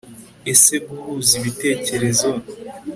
ese guhuza ibitekerezo